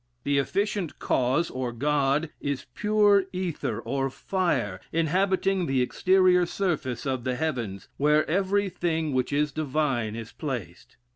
The efficient cause, or God, is pure ether, or fire, inhabiting the exterior surface of the heavens, where every thing which is divine is placed.